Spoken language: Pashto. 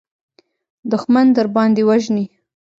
دښمن درباندې وژني.